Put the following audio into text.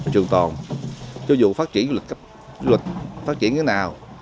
trường toàn cho dù phát triển như lịch phát triển như thế nào